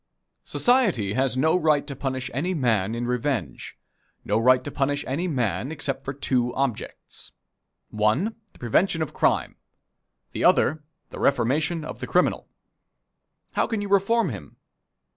Society has no right to punish any man in revenge no right to punish any man except for two objects one, the prevention of crime; the other, the reformation of the criminal. How can you reform him?